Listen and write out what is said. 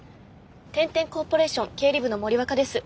天・天コーポレーション経理部の森若です。